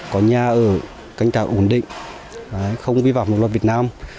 có nhà ở canh tạc ổn định không vi phạm luật việt nam